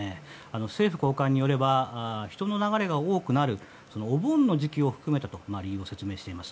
政府高官によれば人の流れが多くなるお盆の時期を含めたと説明しています。